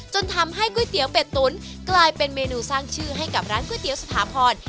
จนทำให้ก๋วยเตี๋ยวเป็ดตุ๋นกลายเป็นเมนูสร้างชื่อให้กับร้านก๋วยเตี๋ยวสถาพร